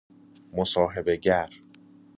مصاحبه گر